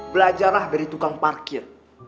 belajarlah dari tukang parkir